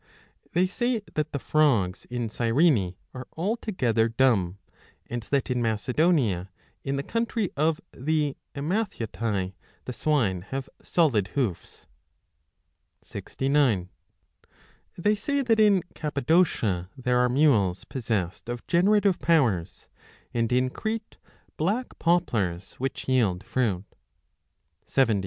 They say that the frogs in Cyrene are altogether dumb, 68 and that in Macedonia, in the country of the Emathiotae, 35 the swine have solid hoofs. 835 They say that in Cappadocia there are mules possessed 69 of generative powers, and in Crete black poplars which yield fruit.